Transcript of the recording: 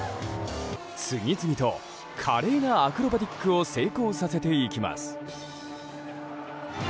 次々と華麗なアクロバティックを成功させていきます。